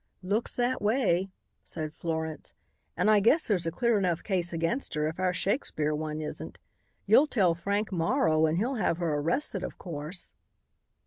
"Looks that way," said Florence. "And I guess that's a clear enough case against her, if our Shakespeare one isn't. You'll tell Frank Morrow and he'll have her arrested, of course."